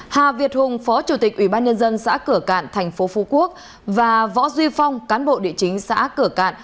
hà việt hùng phó chủ tịch ubnd xã cửa cạn tp phú quốc và võ duy phong cán bộ địa chính xã cửa cạn